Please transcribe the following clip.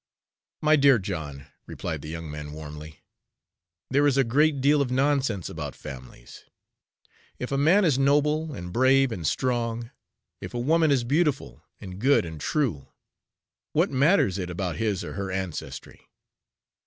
"My dear John," replied the young man warmly, "there is a great deal of nonsense about families. If a man is noble and brave and strong, if a woman is beautiful and good and true, what matters it about his or her ancestry?